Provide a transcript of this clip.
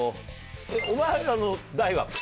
お前らの代は。